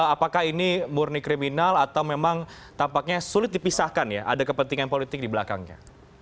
apakah ini murni kriminal atau memang tampaknya sulit dipisahkan ya ada kepentingan politik di belakangnya